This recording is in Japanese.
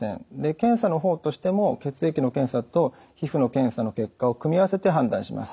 検査のほうとしても血液の検査と皮膚の検査の結果を組み合わせて判断します。